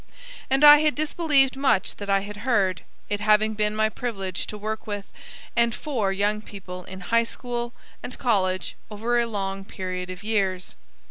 And I had disbelieved much that I had heard, it having been my privilege to work with and for young people in high school and college over a long period of years.